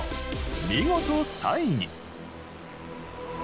見事３位に。